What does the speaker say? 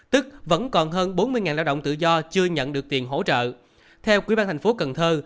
tức vẫn còn hơn bốn mươi lao động tự do chưa nhận được tiền hỗ trợ